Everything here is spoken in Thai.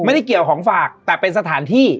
ไม่ได้เกี่ยวของฝากแต่เป็นสถานที่